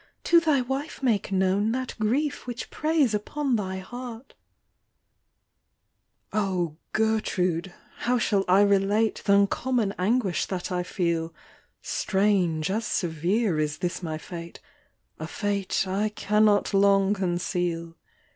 to thy wife make known That grief which preys upon thy heart:" " O Gertrude ! how shall I relate Th' uncommon anguish that I feel j Strange as severe is this my fate,— * A fate I cannot long conceal.